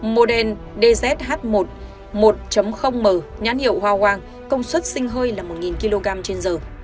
model dzh một một m nhán hiệu hoa hoang công suất sinh hơi là một kg trên giờ